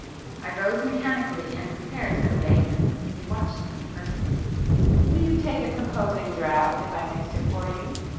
I rose mechanically and prepared to obey him. He watched me furtively. "Will you take a composing draught if I mix it for you?"